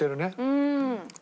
うん。